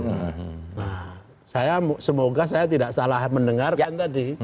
nah saya semoga saya tidak salah mendengarkan tadi